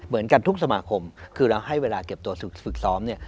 เหมือนกันทุกสมาคมคือเราให้เวลาเก็บตัวฝึกซ้อมเนี่ย